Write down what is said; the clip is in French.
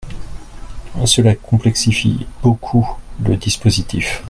Cela complexifie beaucoup le dispositif.